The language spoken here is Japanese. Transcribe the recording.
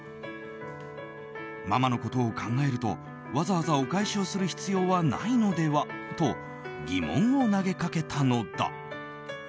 ママのことを考えるとわざわざお返しをする必要はないのではと疑問を投げかけたのだ。